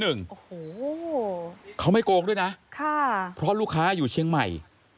โอ้โหเขาไม่โกงด้วยนะค่ะเพราะลูกค้าอยู่เชียงใหม่